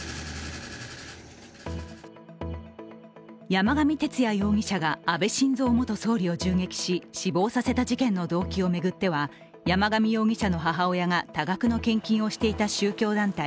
山上徹也容疑者が安倍晋三元総理を銃撃し、死亡させた事件の動機を巡っては山上容疑者の母親が多額の献金をしていた宗教団体、